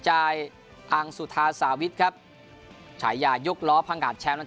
อังสุธาสาวิทย์ครับฉายายกล้อพังหาดแชมป์